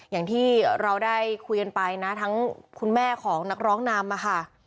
อย่างที่เราได้คุยกันไปนะทั้งคุณแม่ของนักร้องนำค่ะ